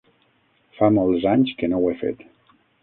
Fa molts anys que no ho he fet.